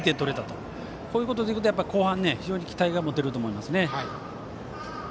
こういうことができると後半、非常に期待ができると思います。